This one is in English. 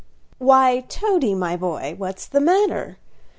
"Why, Toady, my boy, what's the matter?"